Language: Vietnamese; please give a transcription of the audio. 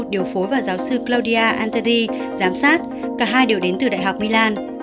điều phối và giáo sư claudia antery giám sát cả hai đều đến từ đại học milan